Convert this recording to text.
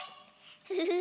フフフフ。